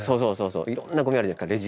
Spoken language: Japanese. そういろんなごみあるじゃないですか